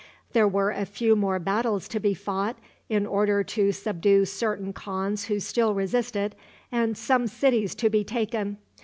There were a few more battles to be fought in order to subdue certain khans who still resisted, and some cities to be taken.